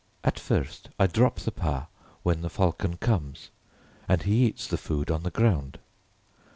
At first I drop the pât when the falcon comes, and he eats the food on the ground.